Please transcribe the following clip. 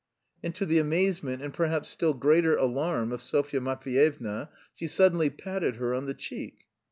And to the amazement and perhaps still greater alarm of Sofya Matveyevna, she suddenly patted her on the cheek.